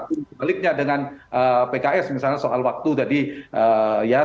sebaliknya dengan pks misalnya soal waktu dan dan perbedaan